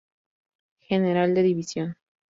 General de división.